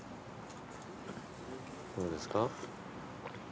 どうですか？